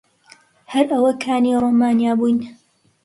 هەر ئەوەکانی ڕۆمانیا بوون.